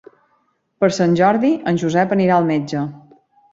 Per Sant Jordi en Josep anirà al metge.